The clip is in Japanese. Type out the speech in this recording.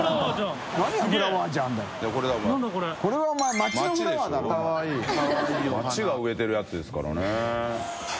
街が植えてるやつですからね。